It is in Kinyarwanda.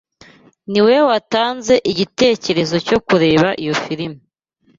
Ni wowe watanze igitekerezo cyo kureba iyo firime.